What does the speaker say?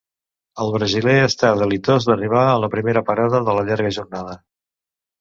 El brasiler està delitós d'arribar a la primera parada de la llarga jornada.